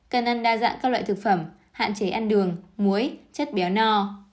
cần ăn đa dạng các loại thực phẩm hạn chế ăn đường muối chất béo no